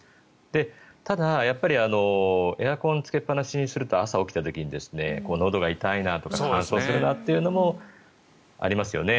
ただ、エアコンつけっぱなしにすると朝起きた時にのどが痛いなとか乾燥するなというのもありますよね。